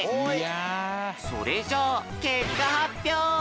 それじゃあけっかはっぴょう！